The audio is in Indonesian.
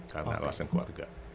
karena alasan keluarga